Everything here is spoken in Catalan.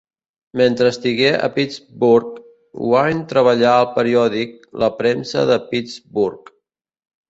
Mentre estigué a Pittsburgh, Wynne treballà al periòdic "La premsa de Pittsburgh"